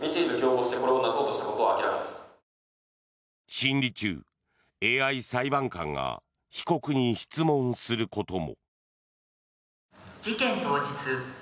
審理中、ＡＩ裁判官が被告に質問することも。